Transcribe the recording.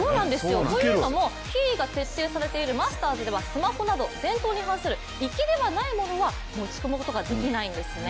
というのも品位が徹底されているマスターズではスマホなど試合に関する粋ではないものは持ち込むことができないんですね。